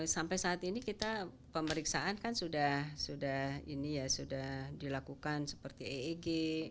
sampai saat ini kita pemeriksaan kan sudah dilakukan seperti eeg